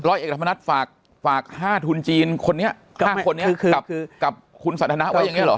ร้อยเอกธรรมนัสฝากฝาก๕ทุนจีนคนเนี้ย๕คนเนี้ยกับคุณสัตว์ธนาไว้อย่างเงี้ยหรอ